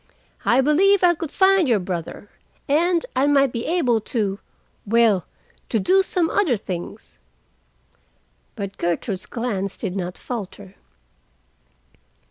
I believe I could find your brother, and I might be able to—well, to do some other things." But Gertrude's glance did not falter.